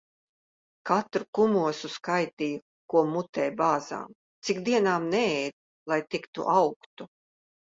Katru kumosu skaitīja, ko mutē bāzām. Cik dienām neēdu, lai tik tu augtu.